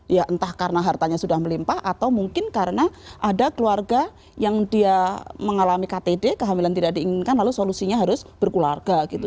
ya entah karena hartanya sudah melimpah atau mungkin karena ada keluarga yang dia mengalami ktd kehamilan tidak diinginkan lalu solusinya harus berkeluarga gitu